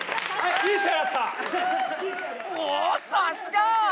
おおさすが！